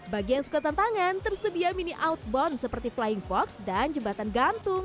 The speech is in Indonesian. bagi yang suka tantangan tersedia mini outbound seperti flying fox dan jembatan gantung